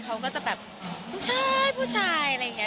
เขาก็จะแบบผู้ชายผู้ชายอะไรอย่างนี้